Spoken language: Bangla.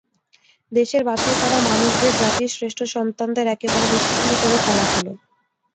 দেশের বাছাই করা মানুষদের, জাতির শ্রেষ্ঠ সন্তানদের একেবারে নিশ্চিহ্ন করে ফেলা হলো।